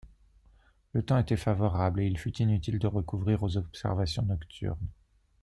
Le temps était favorable, et il fut inutile de recourir aux observations nocturnes.